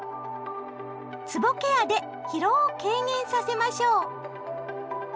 つぼケアで疲労を軽減させましょう！